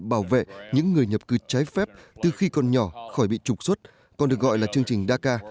bảo vệ những người nhập cư trái phép từ khi còn nhỏ khỏi bị trục xuất còn được gọi là chương trình dak